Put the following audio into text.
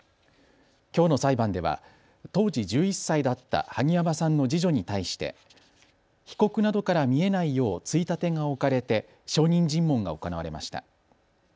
きょうの裁判では当時１１歳だった萩山さんの次女に対して被告などから見えないようついたてが置かれて証人尋問が行われました。